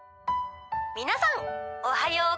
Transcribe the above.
皆さんおはよう。